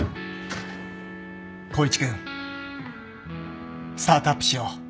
光一君スタートアップしよう